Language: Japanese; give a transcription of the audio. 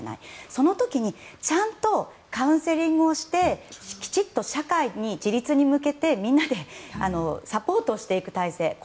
その時にちゃんとカウンセリングをしてきちっと社会に自立に向けてみんなでサポートしていく体制